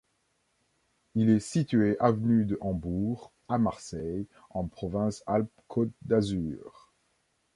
Il est situé avenue de Hambourg, à Marseille, en Provence-Alpes-Côte d'Azur.